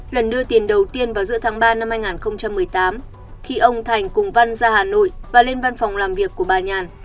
lần đưa tiền đầu tiên vào giữa tháng ba năm hai nghìn một mươi tám khi ông thành cùng văn ra hà nội và lên văn phòng làm việc của bà nhàn